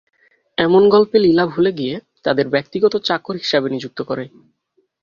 এমন গল্পে লীলা ভুলে গিয়ে তাদের ব্যক্তিগত চাকর হিসাবে নিযুক্ত করে।